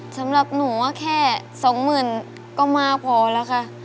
สำหรับหนูว่าแค่สองหมื่นก็มากพอแล้วค่ะ